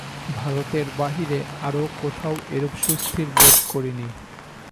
ভারতের বাহিরে আর কোথাও এরূপ সুস্থির বোধ করিনি।